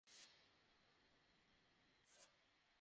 নিজের দেশের সাইট থাকতে আমরা অন্য দেশের ওপর কেন নির্ভরশীল হব।